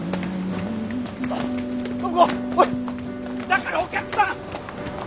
だからお客さんお金！